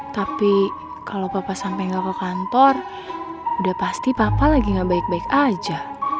tapi kalau papa sampai nggak ke kantor udah pasti papa lagi gak baik baik aja